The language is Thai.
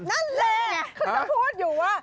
เขามันพูดอยู่ว่า